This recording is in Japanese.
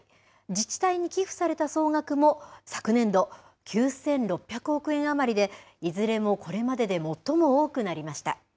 自治体に寄付された総額も昨年度、９６００億円余りで、いずれもこれまでで最も多くなりました。